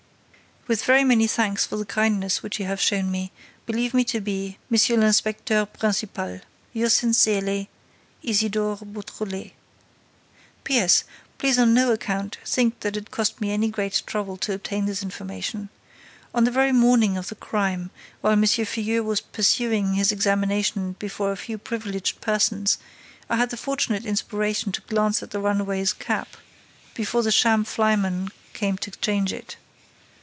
With very many thanks for the kindness which you have shown me, believe me to be, Monsieur l'Inspecteur Principal, Yours sincerely, ISIDORE BEAUTRELET. P.S.—Please on no account think that it cost me any great trouble to obtain this information. On the very morning of the crime, while M. Filleul was pursuing his examination before a few privileged persons, I had the fortunate inspiration to glance at the runaway's cap, before the sham flyman came to change it.